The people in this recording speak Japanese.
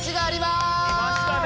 きましたね。